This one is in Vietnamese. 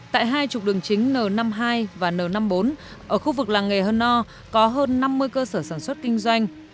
tại hai trục đường chính n năm mươi hai và n năm mươi bốn ở khu vực làng nghề hơ no có hơn năm mươi cơ sở sản xuất kinh doanh